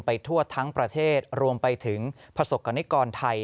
ทั่วทั้งประเทศรวมไปถึงประสบกรณิกรไทย